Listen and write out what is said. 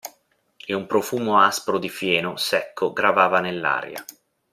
E un profumo aspro di fieno secco gravava nell'aria.